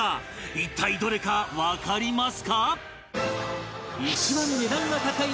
一体どれかわかりますか？